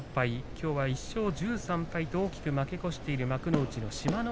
きょうは１勝１３敗と大きく負け越している幕内の志摩ノ